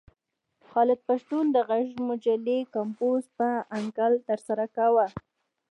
خالد پښتون د غږ مجلې کمپوز په انکل ترسره کاوه.